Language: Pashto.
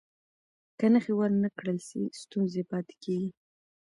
که نښې ور نه کړل سي، ستونزه پاتې کېږي.